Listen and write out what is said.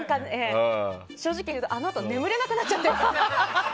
正直言うとあのあと眠れなくなっちゃって。